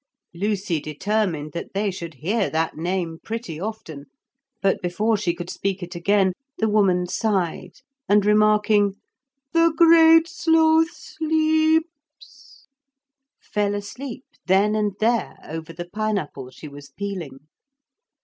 Lucy determined that they should hear that name pretty often; but before she could speak it again the woman sighed, and remarking 'The Great Sloth sleeps,' fell asleep then and there over the pine apple she was peeling.